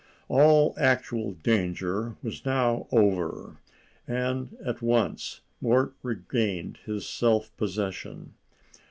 All actual danger was now over, and at once Mort regained his self possession.